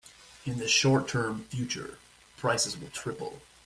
In the short term future, prices will triple.